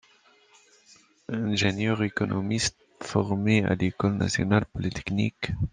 Ingénieur économiste formé à l'École nationale polytechnique d'Alger.